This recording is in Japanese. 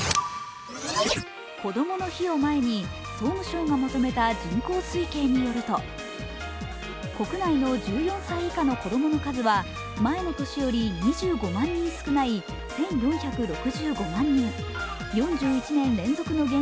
こどもの日を前に、総務省がまとめた人口推計によると国内の１４歳以下の子供の数は前の年より２５万人少ない１４６５万人。